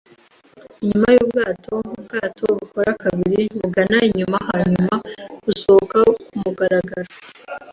inyuma yubwato-bwato, bukora kabiri bugana inyuma, hanyuma busohoka kumugaragaro